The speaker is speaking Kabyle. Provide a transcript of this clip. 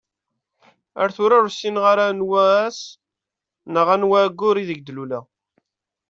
Ar tura ur ssineɣ ara anwa ass neɣ anwa ayyur ideg d-luleɣ.